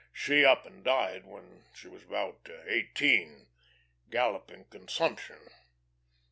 She up and died when she was about eighteen galloping consumption.